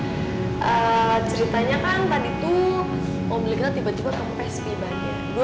eh ceritanya kan tadi tuh mobil kita tiba tiba ke psp banget